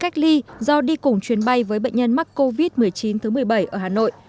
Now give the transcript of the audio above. cách ly do đi cùng chuyến bay với bệnh nhân mắc covid một mươi chín thứ một mươi bảy ở hà nội